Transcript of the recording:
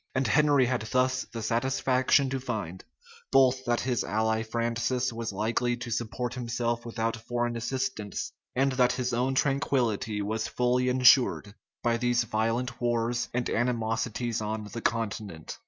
And Henry had thus the satisfaction to find, both that his ally Francis was likely to support himself without foreign assistance, and that his own tranquillity was fully insured by these violent wars and animosities on the continent.